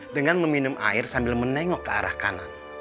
dengan meminum air sambil menengok ke arah kanan